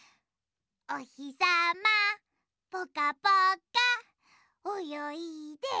「おひさまぽかぽか」およいでおよいで。